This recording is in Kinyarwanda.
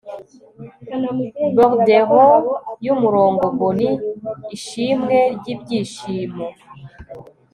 bordellos yumurongo, bony ishimwe ryibyishimo